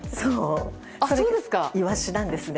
イワシなんですね